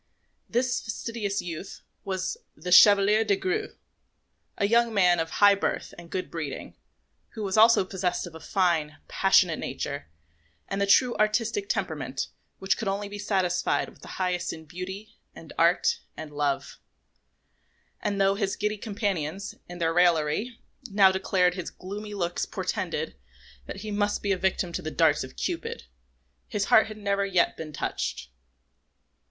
This fastidious youth was the Chevalier des Grieux, a young man of high birth and good breeding, who was also possessed of a fine, passionate nature and the true artistic temperament which could only be satisfied with the highest in beauty, and art, and love; and though his giddy companions, in their raillery, now declared his gloomy looks portended that he must be a victim to the darts of Cupid, his heart had never yet been touched.